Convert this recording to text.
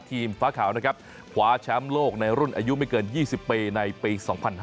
ฟ้าขาวนะครับคว้าแชมป์โลกในรุ่นอายุไม่เกิน๒๐ปีในปี๒๕๕๙